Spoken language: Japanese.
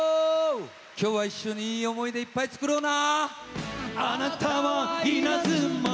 きょうは一緒にいい思い出、いっぱい作ろうな。